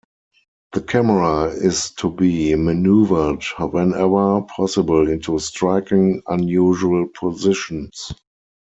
The camera is to be maneuvered, whenever possible, into striking, unusual positions.